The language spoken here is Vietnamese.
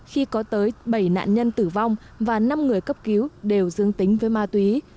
khi có tới bảy nạn nhân tử vong và năm người cấp cứu đều dương tính với ma túy